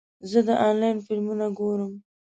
زه د انلاین فلمونه ګورم.